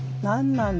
何だ？